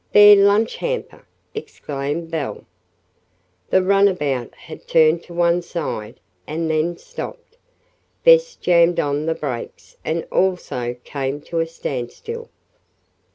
"Their lunch hamper!" exclaimed Belle. The runabout had turned to one side, and then stopped. Bess jammed on the brakes and also came to a standstill.